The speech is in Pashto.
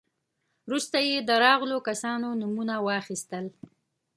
وروسته يې د راغلو کسانو نومونه واخيستل.